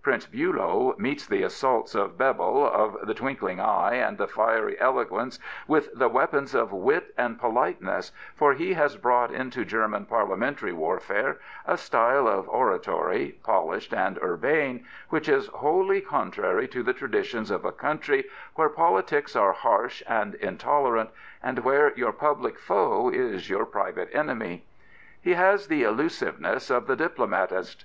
Prince Biilow meets the assaults of Bebel of the twinkling eye and the fiery eloquence with the weapons of wit and politeness, for he has brought into German Parliamentary warfare a style of oratory, polished and urbane, which is wholly con trary to the traditions of a country where politics are harsh and intolerant, and where your public foe is your private enemy. He has the elusiveness of the diplomatist.